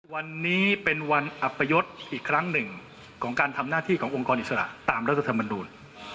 วันนี้เป็นวันอัปยศอีกครั้งหนึ่งของการทำหน้าที่ขององค์กรอิสระตามรัฐธรรมนูล